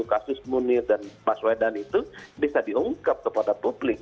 kasus munir dan baswedan itu bisa diungkap kepada publik